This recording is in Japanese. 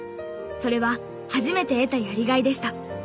それは初めて得たやりがいでした。